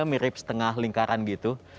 mirip setengah lingkaran gitu